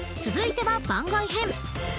［続いては番外編］